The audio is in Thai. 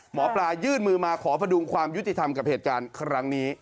หมอปลายื่นมือมาขอพดุงความยุติธรรมกับเหตุการณ์ครั้งนี้